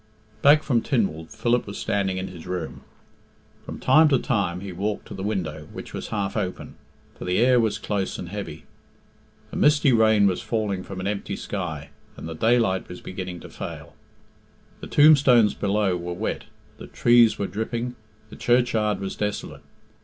Back from Tynwald, Philip was standing in his room. From time to time he walked to the window, which was half open, for the air was close and heavy. A misty rain was falling from an empty sky, and the daylight was beginning to fail. The tombstones below were wet, the treed were dripping, the churchyard was desolate.